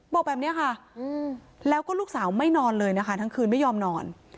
บอกแบบนี้ค่ะแล้วก็ลูกสาวไม่นอนเลยนะคะทั้งคืนไม่ยอมนอน